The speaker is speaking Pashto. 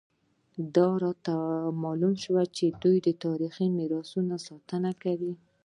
دا راته معلومه شوه چې دوی د تاریخي میراثونو ساتنه کوي.